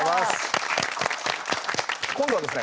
今度はですね